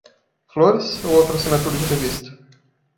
Flores? Ou outra assinatura de revista?